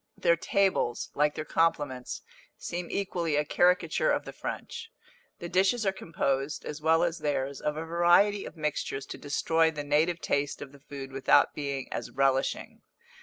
Their tables, like their compliments, seem equally a caricature of the French. The dishes are composed, as well as theirs, of a variety of mixtures to destroy the native taste of the food without being as relishing.